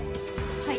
はい。